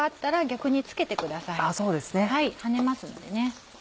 跳ねますのでね。